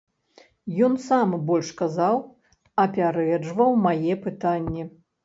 Ён сам больш казаў, апярэджваў мае пытанні.